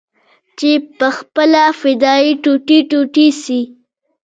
چې پخپله فدايي ټوټې ټوټې سي.